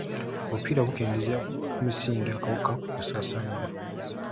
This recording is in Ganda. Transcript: Obupiira bukendeeza ku misinde akawuka kwe kasaasaanira.